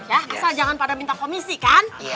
asal jangan pada minta komisi kan